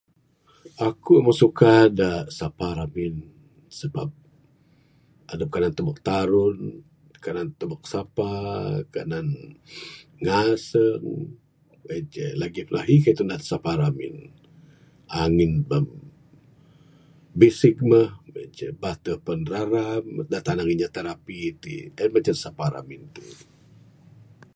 Aku'k moh suka da sapa ramin sebab adup kanan tebuk tarun, kanan tebuk sapa, kanan ngasung. En ceh, lagi'k pun ahi kayuh da tundah da sapa ramin. Angin beb bisik muh, mung en ceh. Batuh pun raram. Da tanang nya terapi ti, en mah ceh da sapa ramin ti.